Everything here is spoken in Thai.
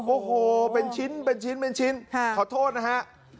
โอ้โหเป็นชิ้นขอโทษนะฮะ